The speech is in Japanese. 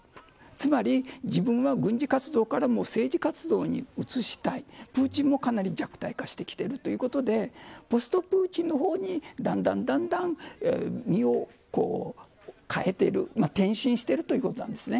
つまり自分は軍事活動から政治活動に移したいプーチンもかなり弱体化してきているということでポストプーチンの方にだんだん身を変えている転身しているということなんですね。